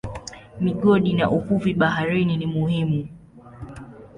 Migodi na uvuvi baharini ni muhimu.